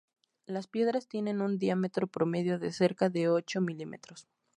Las piedras tienen un diámetro promedio de cerca de ocho milímetros.